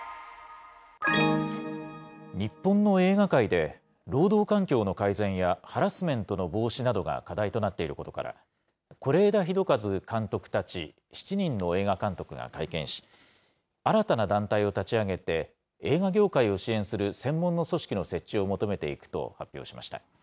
日本の映画界で、労働環境の改善やハラスメントの防止などが課題となっていることから、是枝裕和監督たち７人の映画監督が会見し、新たな団体を立ち上げて、映画業界を支援する専門の組織の設置を求めていくと発表しました。